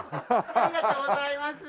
ありがとうございます。